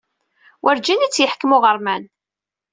Werǧin i tt-yeḥkem uɣerman.